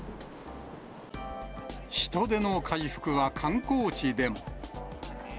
人出の回復は観光地でも。